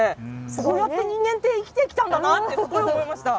こうやって人間って生きてきたんだなってすごい思いました。